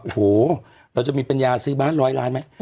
โอ้โหเราจะมีปัญญาซื้อบ้านร้อยล้านไหม